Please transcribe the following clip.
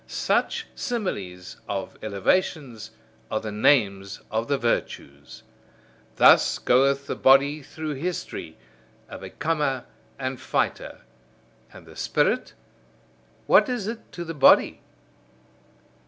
Such similes of elevations are the names of the virtues. Thus goeth the body through history, a becomer and fighter. And the spirit what is it to the body?